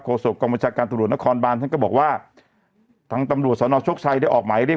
โศกองบัญชาการตำรวจนครบานท่านก็บอกว่าทางตำรวจสนโชคชัยได้ออกหมายเรียก